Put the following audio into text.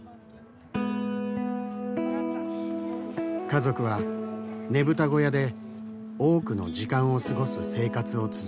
家族はねぶた小屋で多くの時間を過ごす生活を続けている。